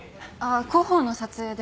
広報の撮影で。